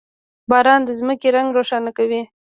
• باران د ځمکې رنګ روښانه کوي.